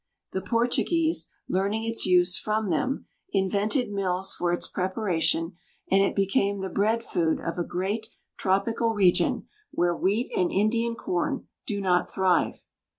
The Portuguese, learning its use from them, invented mills for its preparation, and it became the bread food of a great tropical region where wheat and Indian corn do not thrive.